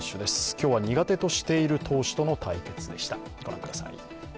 今日は苦手としている投手との対決でした。